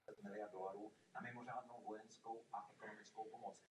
Betlém se zastavil a již se nepodařilo jej opět uvést do provozu.